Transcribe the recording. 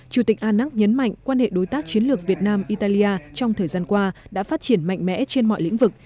chủ tịch anac nhấn mạnh quan hệ đối tác chiến lược việt nam italia trong thời gian qua đã phát triển mạnh mẽ trên mọi lĩnh vực